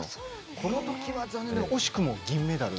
このときは惜しくも銀メダル。